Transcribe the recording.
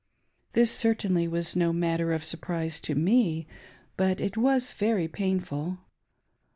This certainly was no matter of surprise to me, but it was very painful.